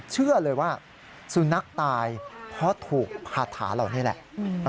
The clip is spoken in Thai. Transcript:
เชื่อเลยว่าสุนัขตายเพราะถูกพาถาเหล่านี้แหละ